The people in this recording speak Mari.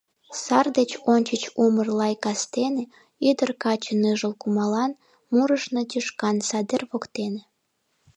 Сар деч ончыч умыр-лай кастене Ӱдыр-каче ныжыл кумылан, Мурышна тӱшкан садер воктене.